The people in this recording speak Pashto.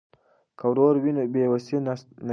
که ورور وي نو بې وسي نه وي.